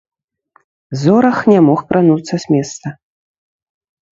Зорах не мог крануцца з месца.